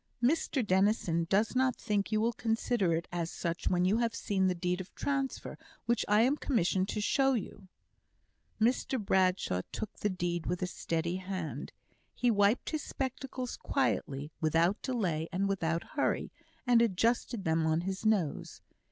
"Mr Dennison does not think you will consider it as such when you have seen the deed of transfer, which I am commissioned to show you." Mr Bradshaw took the deed with a steady hand. He wiped his spectacles quietly, without delay, and without hurry, and adjusted them on his nose.